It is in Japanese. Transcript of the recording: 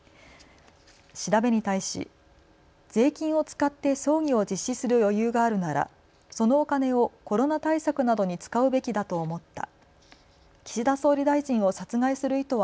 調べに対し、税金を使って葬儀を実施する余裕があるならそのお金をコロナ対策などに使うべきだと思った。